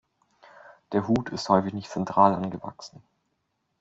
Der Hut ist häufig nicht zentral angewachsen.